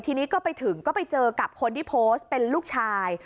ทีนี้ก็ไปถึงก็ไปเจอกับคนที่โพสต์เป็นลูกชาย